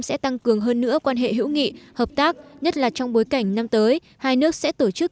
sẽ tăng cường hơn nữa quan hệ hữu nghị hợp tác nhất là trong bối cảnh năm tới hai nước sẽ tổ chức